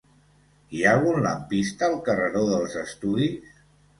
Hi ha algun lampista al carreró dels Estudis?